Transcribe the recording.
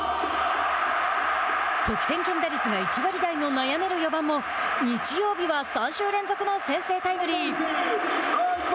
得点圏打率が１割台の悩める４番も日曜日は３週連続の先制タイムリー。